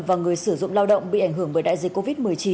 và người sử dụng lao động bị ảnh hưởng bởi đại dịch covid một mươi chín